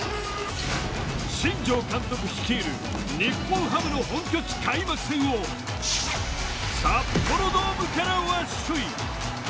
新庄監督率いる日本ハムの本拠地開幕戦を札幌ドームからワッショイ。